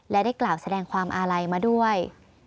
และได้กล่าวแสดงความอาลัยมาด้วย